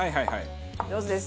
上手です。